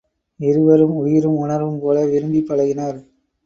இருவரும் உயிரும் உணர்வும் போல விரும்பிப் பழகினர்.